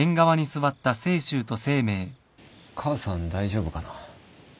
母さん大丈夫かな？